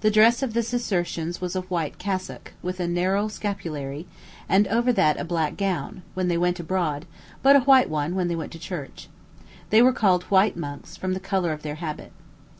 The dress of the Cistercians was a white cassock, with a narrow scapulary, and over that a black gown, when they went abroad, but a white one when they went to church. They were called white monks, from the color of their habit.